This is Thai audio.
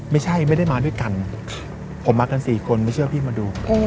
ไม่ได้มาด้วยกันผมมากัน๔คนไม่เชื่อพี่มาดู